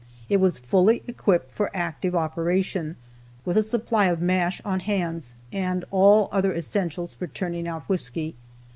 It was fully equipped for active operation, with a supply of "mash" on hands, and all other essentials for turning out whisky.